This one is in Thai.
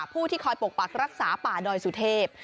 ผู้ที่คอยปกปักรักษาป่าดอยสุเทพ